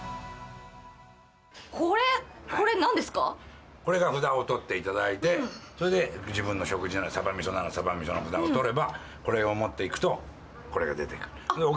これ、これが札を取っていただいて、それで自分の食事の、サバみそなら、サバみその札を取れば、これを持っていくと、これが出てくる。